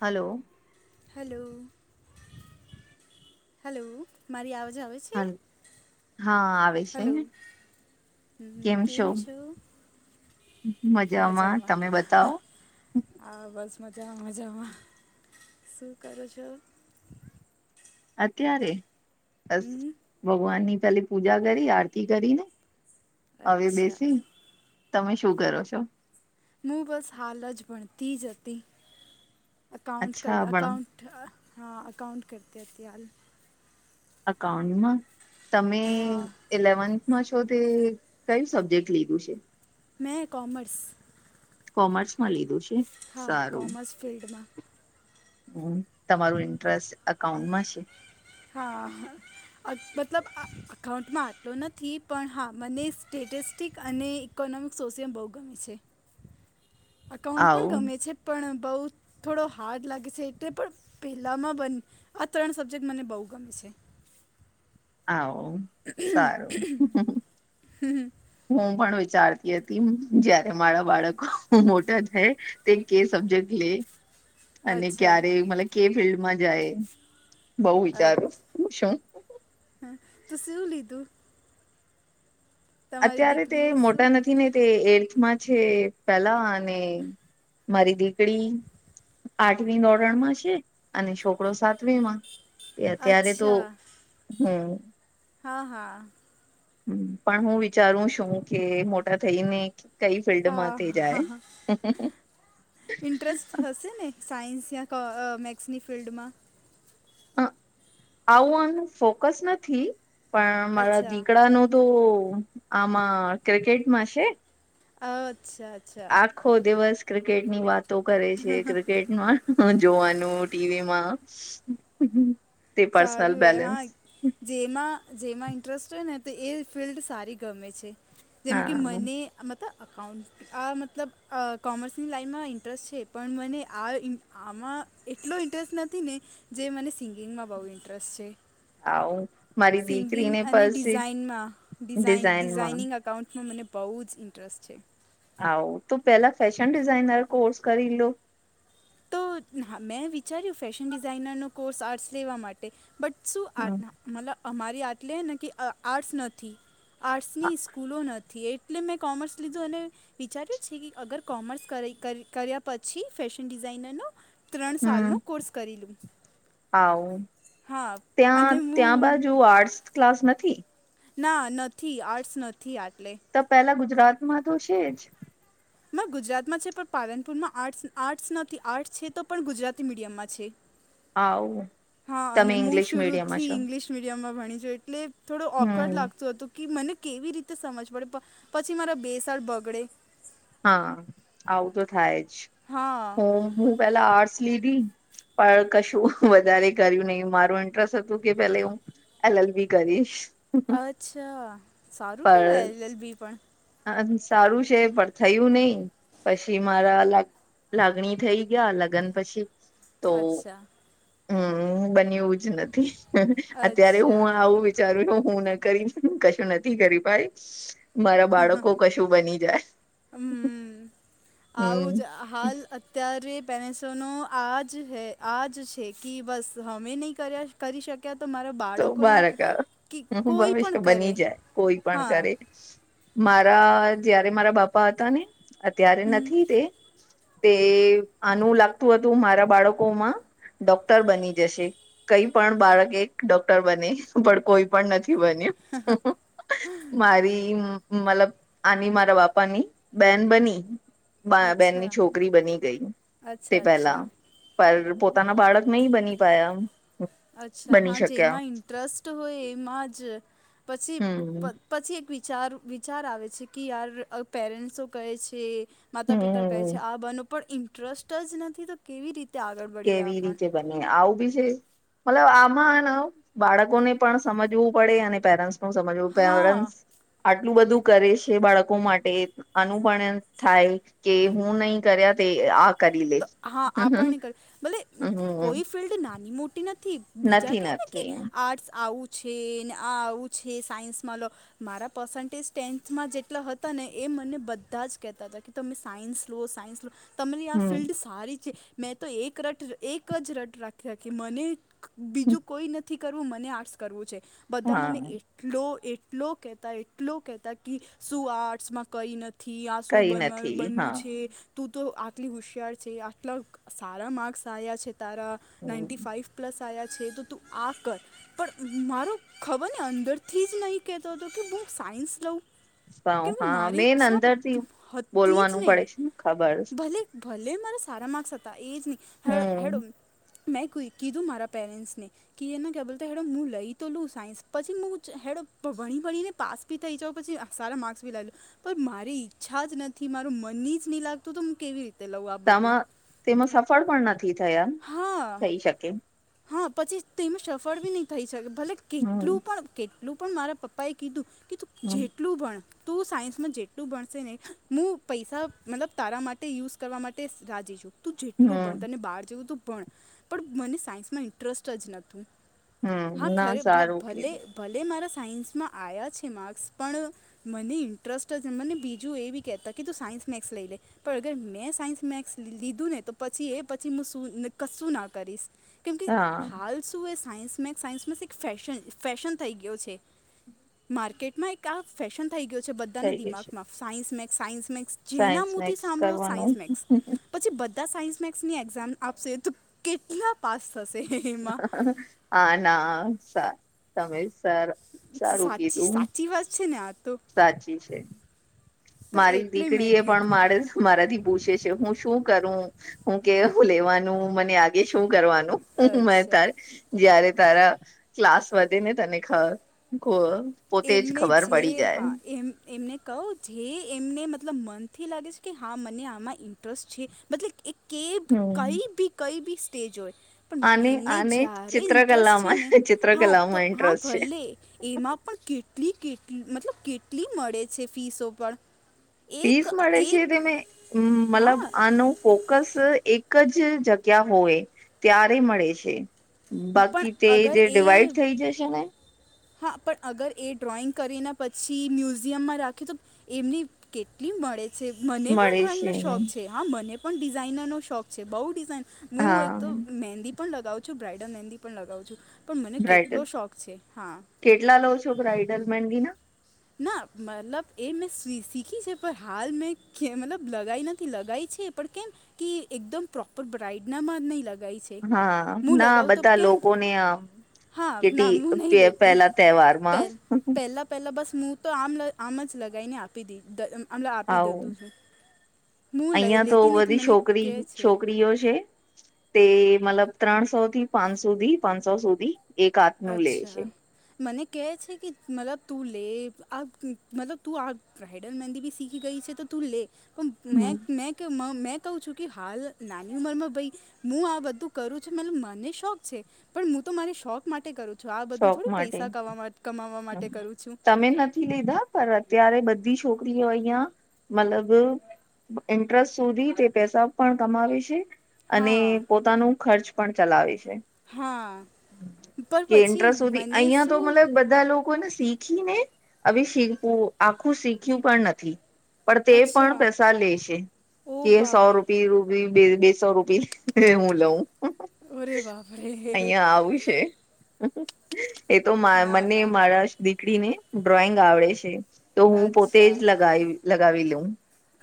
Hello. Hello hello મારી આવજ આવે છે. હલ હા આવે છે હલો કેમ છો. મજામાં તમે બધાવો. હા બસ મજામાં મજામાં શું કરો છો? અત્યારે બસ હમ ભગવાનની પેલીપૂજા કરી આરતી કરીને. હવે અચ્છા બેસી તમે શું કરો છો? હું બસ હાલ જ ભણતીજ હતી અકાઉન્ટ કર અચ્છા પણ અકાઉન્ટ હા અકાઉન્ટ કરતી હતી હાલ અકાઉન્ટમાં તમે હા ઇલેવન્થમાં છો તે કયું સબ્જેક્ટ લીધું છે. મેં કોમર્સ કોમર્સમાં લીધું છે. હા સારું કોમર્સ ફિલ્ડમાં હમ તમારું ઇન્ટરેસ્ટ અકાઉન્ટમાં છે. હા હા મતલબ આ અકાઉન્ટમાં આટલો નથી હા મને સ્ટેટ્સ ટિકિટ અને ઇકોનોમિક્ સોસીયમ બહુ ગમે છે. અકાઉન્ટ પણ આવો ગમે છે પણ બઉુ થોડો હાર્ડ લાગે છે. એટલે પણ પહેલામાં બને આ ત્રણ સબ્જેક્ટ મને બહુ ગમે છે. હા હો હં હું પણ વિચારતી હતી જયારે મારા બાળકો મોટાં થાય તે કે સબ્જેક્ટ લે અને અચ્છા ક્યારે મલ કે ફિલ્ડમાં જાય. બઉ વિચારું અચ્છા હું શું શું લીધું. તમારી અત્યારે તો એ દીકરીએ શું મોટા નથી. ને તે એર્થમાં છે પેલા અને મારી દીકરી આઠવીનોરણ માં છે અને છોકરો સા વિમાન એ અત્યારે તો અચ્છા હમ હા હા પણ હું વિચારું છું કે મોટા થઈને. કંઈ હા ફિલ્ડમાંથી જાય. ઇન્ટરેસ્ટ હશે ને સાયન્સ યા કો મેથસની ફિલ્ડમાં આવું આનું ફોકસ નથી. પણ મારા અચ્છા દીકડા નું તો આમાં ક્રિકેટમાં છે. અચ્છા અચ્છા આખો દિવસ ક્રિકેટ ની વાતો કરે ક્રિકેટમાં હ જોવાનું ટીવીમાં તે પર્સનલ સારું એ બેલેન્સ હા જેમાં જેમાં ઇન્ટરેસ્ટ હોય ને તો એ ફિલ્ડ સારી ગમે છે. જેમ કે હા મને અમે તો અકાઉન્ટ આ મતલબ કોમર્સની લાઈનમાં ઇન્ટરેસ્ટ છે પણ મને આ આમાં, એટલો ઇન્ટરેસ્ટ નથી ને જે મને સિંગિંગમાં બહુ ઇન્ટરેસ્ટ છે. આવું, મારી સિંગિંગ દીકરીને અને પછી ડિઝાઇનમાં ડિઝાઇ ડિઝાઇનમાં ડિઝાઇનિંગ અકાઉન્ટમાં મને, બહુ જ ઇન્ટરેસ્ટ છે. આવું તો પેલા ફેશન ડિઝાઇનર કોર્સ કરી લો. તો મેં વિચાર્યું ફેશન ડિઝાઇનર નો કોર્સ આર્ટસ લેવા માટે, બટ શું હમ આટના મતલબ અમારી આટલે ને કે આર્ટસ નથી. આર્ટ્સની સ્કૂલો નથી એટલે મેં કોમર્સ લીધું અને, વિચાર્યો છે અગર કર્યા કર્યા પછી ફેશન ડિઝાઇનરનો, ત્રણ સાલ નો કોર્સ કરી લું. આવું, ત્યાં અને ત્યાં હું બાજુ આર્ટસ ક્લાસ નથી. ના નથી આર્ટ્સ નથી આટલે. ત પહેલા ગુજરાત માં તો છે જ, ના ગુજરાતમાં છે પણ પાલનપુરમાં આર્ટ આર્ટ્સ નથી આર્ટ્સ છે તો પણ ગુજરાતી મીડિયમમાં છે. આવું. હા અને તમે મુ ઇંગ્લિશ શરૂ મીડિયમમાં થી છો ઇંગ્લિશ... મીડિયમમાં ભણી છું એટલે થોડો ઓકવર્ડ હમ લાગત હતું કે મને... કેવી રીતે સમજ પડે પ‌ પછી મારા બે સાલ બગડે. હા આવું તો થાય જ. હા હું હું પેલા આર્ટસ લીધી. પણ કશું વધારે કર્યું નહી મારું ઇન્ટરેસ્ટ હતું કે પેલે હું... એલ એલ બી કરીશ. અચ્છા સારું કેવાય એલ એલ બી પણ... હ સારું છે પણ થયું નંઈ, પછી મારા... લાગણી થઈ ગયા લગ્ન પછી... તો અચ્છા હમ બન્યું જ નથી. અત્યારે અચ્છા હું આવું વિ વિચારું હું હું ન કરી કશું નથી કરી ભાઈ મારા... બાળકો કશું બની જાય. હમ, હમ આવુંજ... હાલ અત્યારે પેરેન્સોનો આજ હૈ આજ છે કે બસ હમે નહીં.. કર્યા કરી શક ક્યાં તમારા તો બાળકો અહિયાં બાળક કે હું કોઈ ભવિષ્ય પણ કરે બની જાય કોઈ પણ હા. કરે મારા જયારે મારા બાપા હતા ને અત્યારે હમ નથી તે. તે આનું લાગતું હતું મારા બાળકો માં. ડોક્ટર બની જશે, કઈ પણ બાળકે... ડોક્ટર બને, પણ કોઈ પણ નથી બન્યું. મારી મતલબ આની મારા બાપાની બેન બની. બા અચ્છા બેહેનની છોકરી બની ગઈ હું તે અચ્છા પહેલા. અચ્છા પર પોતાના બાળક નહીં બની પાયા. અચ્છા હા બની શક્યા જેમાં ઇન ઇન્ટ્રસ્ટ હોય એમાં જ પછી હમ પ... પછી એક વિચાર વિચાર આવે છે કે યાર પેરેન્ટ્સો કહે છે. માતા પિતા કહે હમ છે આ બનેવ પણ ઇન્ટરેસ્ટ જ નથી તો કેવી રીતે આગળ વળીએ કેવી આપણ... રીતે બને, આવું બી છે? મતલબ આમાં હે ન બાળકોને પણ સમજવું પડે અને પેરેન્ટ્સ... સમજવું હા પેરન્ટ્સ આટલું બધું કરે છે બાળકો માટે. આનુ પણ થાય કે હું નહી કર્યા તે આ... કરી લે તો હા હમ આપણને કર ભલે હમ કોઈ ફિલ્ડ નાની મોટી નથી. બીજા નથી કે ને કે નથી આર્ટ્સ આવું છે ને આ આવું છે સાઈન્સમાં લો... મારા પર્સન્ટેજ ટેન્થમાં જેટલા હતા ને એ મને બધા જ કેહેતા હતા કે તમે સાઈન્સ લો સાઈન્સ લો... તમારી આ હમ ફિલ્ડ સારી છે મેં તો એક રટ એક જ રટ રાખી રાખી મને... બીજું કોઈ નથી કરવું મને આર્ટસ કરવું છે બધા મને... હા એટલો એટલો કહેતા એટલો કહેતા કે શું આર્ટ્સમાં કઈ ન થી આ શું કઈ બનવાનું નથી બનવું હા છે તું તો આ... આટલી હોશિયાર છે, આટલા સારા માર્ક્સ આવ્યા છે તારા નાઇન્ટી ફાઇવ... પ્લસ આયા છે. તો તું આ કર... પણ મારો ખબર ને અંદરથી જ નહીં કહેતો હતો કે હું સાયન્સ લઉં... સ કેમ કે હા મારી મેન ઈચ્છા અંદરથી હતી જ બોલવાનું નહીં પડે છેને ખબર... ભલે ભલે મારા સારા માર્ક્સ હતા એ જ નહી હ હેડો, હમ મેં કોઈ કીદું મારા પેરન્ટ્સને. કે એને કે બોલતા હેડ હું લઈ તો લઉ સાયન્સ પછી મુ હેડ ભણી ભણી ને પાસ, બી થઈ જાઉ, પછી સાર માર્ક્સ ભી લાવ પણ મારી ઈચ્છા જ નથી મારું મનની જ ન લાગ તો તમ કેવી રી તેમાં તેમાં સફળ પણ નથી થયા. હા. થઈ શકે. હા પછી તેનું સફળ બી નહી થઈ શકે ભલે કેટલું હમ પણ કેટલું પણ મારા પપ્પા એ કીધું કે તું હમ જેટલું ભણ, તું સાયન્સમાં જેટલું ભણશે ને હું પૈસા મતલબ તારા માટે યુઝ કરવા માટે રાજી છું. તું જેટલું ભણ હમ તને બહાર જેવું તું ભણ પણ મને સાયન્સમાં ઇન્ટરસ્ટ જ નતું. હા હમ ના ખરે ભ સારું ભલે કીધું ભલે મારા સાયન્સમાં આવ્યા છે માર્ક્સ પણ મને ઇન્ટરસ્ટ જ મને બીજું એ બી કેહેતા કે તું સાયન્સ મેક્સ લઈ લે. પણ અગર મેં સાયન્સ મેક્સ લીધું ને તો પછી એ પછી હું શું ન કશું ના કરીશ. કેમકે હા હાલ શું એ સાયન્સ મેક્સ, સાયન્સ મેક્સ એક ફેશન ફેશન થઈ ગયો છે. માર્કેટમાં એક આ ફેશન થઈ ગયો છે બધાના થઈ ગઈ છે દિમાગમાં સાયન્સ મેક્સ સાયન્સ મેક્સ, જેના સાયન્સ મો થી મેક્સ સાંભળો કરવાનું સાયન્સ મેક્સ, પછી બધા સાયન્સ મેક્સની એક્ઝામ આપશે તો કેટલા પાસ થશે. એમાં હા ના સ સમયસર, સાચી સાચી વાત છેને આતો. સાચી છે, મારી એટલે મેં દીકરી એ પણ કીધું મારેે મારાથી પૂછે છે હું શું કરું હું કેવું લેવાનું મને આ એ શું કરવાનું મેં અચ્છા તાર જયારે તારા ક્લાસ વધે ને તને ખ ખો પોતે જ એમને ખબર જે પડી જાય. હા એમ એમને કહું જે એમને મતલબ મનથી લાગે છે કે હા મને આમાં ઇન્ટરસ્ટ છે મતલબ એક કે હમ કઈ ભી કઈ ભી સ્ટેજ હોય. પણ આને એમને આને જ્યારે ઇન્ટરસ્ટ છે ચિત્રકલામાં ને હા તો ચિત્રકલામાં હા ઇન્ટરેસ્ટ છે ભલે એમાં પણ કેટલી કેટલી મતલબ કેટલી મળે છે ફીસો પણ. એક પીસ મળે છે એક તમે મતલબ હા આનો, ફોકસ એક જ જગ્યા હોય ત્યારે મળે છે. પણ બાકી તે અગર જે ડિવાઈડ એ થઈ જશે ને. હા પણ અગર એ ડ્રોઈગ કરીને પછી મ્યુઝિયમમાં રાખે તો એમની કેટલી મળે છે મને પણ મળે છે ડ્રોઈંગનો શોખ છે હા મને પણ ડિઝાઇનરનો શોખ છે બઉ ડિઝાઇન હું એક હા તો મેહદી પણ લગાવું છું બ્રાઇડલ મેહદી પણ લગાવું છું પણ મને કેટલો બ્રાઈડલ શોખ છે હા. કેટલા લો છો બ્રાઈડલ મેંધી ના. ના મતલબ એ મેં શી શીખી છે પણ હાલ મેં કે મતલબ લગાઈ નથી લગાઈ છે પણ કેમ કે એકદમ પ્રોપર બ્રાઈડના મા નહી લગાઈ છે. હા હું ના લગાવું તો બધા કેમ લોકોને આમ હા કેતી નામ હું નહીં પે પેહલા તહેવારમાં પેલા બસ હું તો આમ લ આમ જ લગાવીને આપી દી દ આમ આપી આવું દેધું છું. હું લે અહિયાં તો લેતી નથી બધી મને છોકરી કહે છે છોકરીઓ છે તે મતલબ ત્રણસો થી પાંચ સુધી પાંચસો સુધી એક હાથનું લે છે અચ્છા. મને કહે છે કે મતલબ તું લે આ મતલબ તું આ બ્રાઈડલ મેંહદી બી શીખી ગઈ છે તો તું લે પણ મે હમ મે કેવું મે કઉ છું કે હાલ નાની ઉંમરમાં ભાઈ હું આ બધું કરું છું મતલબ મને શોખ છે પણ હું તો મારી શોખ માટે કરું છું આ બધું શોખ થોડું માટે પૈસા કવામા કમાવા માટે કરું છું. [unintelligible] અતયારે બધી છોકરીઓ અહિયાં મતલબ ઇન્ટરેસ્ટ સુધી તે પૈસા પણ કમાવે છે અને હા પોતાનું ખર્ચ પણ ચલાવે છે. હા. પણ કેન્ટ્ર પછી સુધી મને અહિયાં તો શું મતલબ બધા લો કોને શીખી ને અવે શિલ્પુ આખું શીખ્યું પણ નથી. પણ તે પણ અચ્છા પૈસા લે છે ઓ કે એ સો બાપરે રૂપિયે રૂ બે બેસો રૂપી લે એ હું એ લઉં હ-હ. અરે બાપરે. અયા આવુંશે હ-હ એ તો મા ના મને ના મારા દીકરીને ડ્રોઈંગ આવડે છે તો હું પોતેજ અચ્છા લગાઈ લગાવી લઉં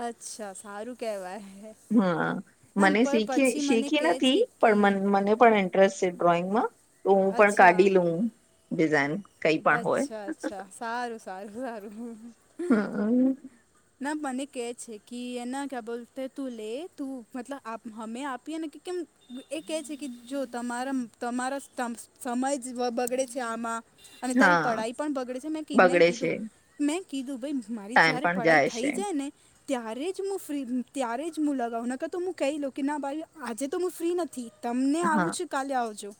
અચ્છા સારું કેવા હૈ. હા મને શીખી મને શીખી કહે છે નથી કે પણ મન મને પણ ઈન ટ્રસ ડ્રોઈંગમાં તો હું પણ અચ્છા કાઢી લઉ ડિઝાઇન કઈ પણ હોય હ-હ. હારું સારું સારું હ-હ. હા હા. ના મને કે છે કે એના ક્યા બોલ તું લે તું મતલબ આપ હમે આપીએને કે કેમ એ કે છે કે જો તમારા તમારા સમય જ બગડે છે આમાં અને તારી હા પઢાઈ પણ બગડે છે મે મે બગડે છે કીધું મેં કીધું ભાઈ મારી ટાઈમ જયારે પણ પઢાઈ જાય છે એને ત્યારે જ હું ફ્રી ત્યારે જ હું લગાવુ ના કર તો હું કહી દઉં કે ના ભાઈ આજે તો હું ફ્રી નથી. તમને હા. આવું છે કાલે આવજો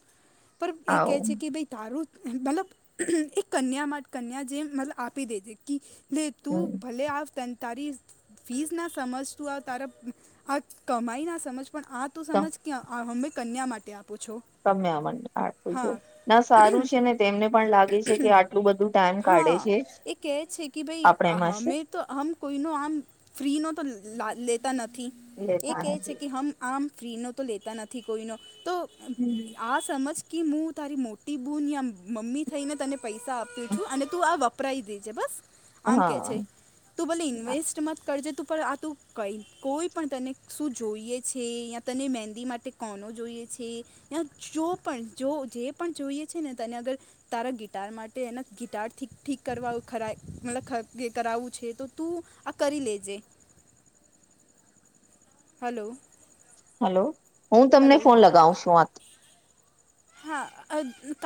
પણ એ આવો કેહે છે કે ભાઈ તારું મતલબ એક કન્યા માટે કન્યા જે મતલ આપી દેતી કી લે તું હમ ભલે આવ તારી ફીસ ના સમજતું તારા આ કમાઈ ના સમજ પણ આ તો સમજ કે હમે કન્યા માટે આપું છો. તમને [unintelligible] આપું છું. ના સારું છે ને તેમને પણ લાગે છે કે આટલું બધું ટાઈમ કાઢે હા છે. એ કહે છે કે ભાઈ આપણે આ મસ્ત હમે તો હમ કોઈનો આમ ફ્રીનો તો લા લેતા નથી એ લેતા કે છે નથી. કે હમ આમ ફ્રીનો તો લેતા નથી કોઈનો તો હમ આ સમજ કે હું તારી મોટી બુની આમ મમ્મી થઈને પૈસા આપ્યું છું અને તું આ વપરાય દેજે બસ આમ કે છે હા તું ભલે ઇન્વેસ્ટમે ન્ટ મત કરજે તું પણ આ તું કઈ કોઈ પણ તને શું જોઈએ છે યા તને મહેંદી માટે કોનો જોઈએ છે યા જો પણ જો જે પણ જોઈએ છે ને તને અગર તારા ગિટાર માટે એના ગિટાર થીક ઠીક કરવા ખરાઈ મતલબ કરાવું છે. તો તું આ કરી લેજે. હલો. હલો, હું તમને હલો ફોન લગાવ છું વાત હા.